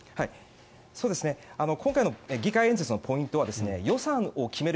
今回の議会演説のポイントは予算を決める